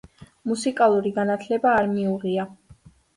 მუსიკალური განათლება არ მიუღია.